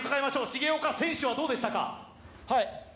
重岡選手はどうでしたか？